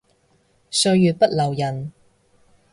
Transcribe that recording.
歲月不留人